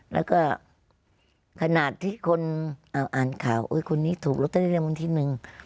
แล้วก็ขนาดที่คนอ่านข่าวคนนี้ถูกลดได้เรียนบางทีนึง